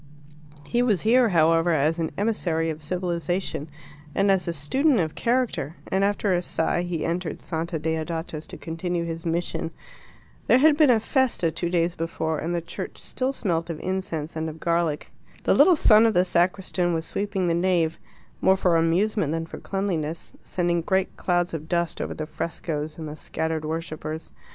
He was here, however, as an emissary of civilization and as a student of character, and, after a sigh, he entered Santa Deodata's to continue his mission. There had been a FESTA two days before, and the church still smelt of incense and of garlic. The little son of the sacristan was sweeping the nave, more for amusement than for cleanliness, sending great clouds of dust over the frescoes and the scattered worshippers.